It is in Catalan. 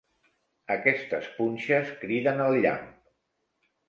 Aquestes punxes criden el llamp.